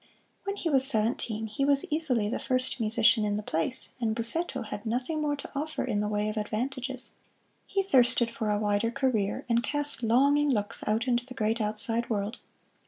When he was seventeen he was easily the first musician in the place, and Busseto had nothing more to offer in the way of advantages. He thirsted for a wider career, and cast longing looks out into the great outside world.